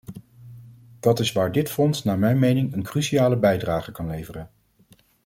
Dat is waar dit fonds naar mijn mening een cruciale bijdrage kan leveren.